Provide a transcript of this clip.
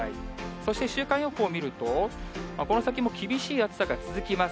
そして週間予報を見ると、この先も厳しい暑さが続きます。